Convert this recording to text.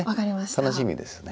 楽しみですね。